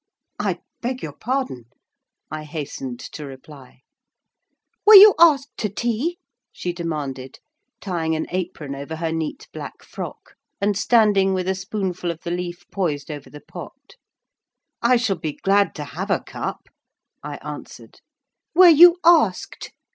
"I beg your pardon!" I hastened to reply. "Were you asked to tea?" she demanded, tying an apron over her neat black frock, and standing with a spoonful of the leaf poised over the pot. "I shall be glad to have a cup," I answered. "Were you asked?"